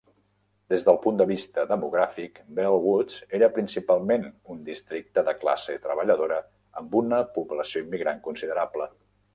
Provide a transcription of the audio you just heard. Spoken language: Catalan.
Des del punt de vista demogràfic, Bellwoods era principalment un districte de classe treballadora, amb una població immigrant considerable.